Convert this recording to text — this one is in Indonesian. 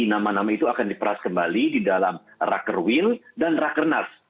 nama nama itu akan diperas kembali di dalam rakerwil dan rakernas